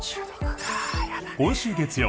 今週月曜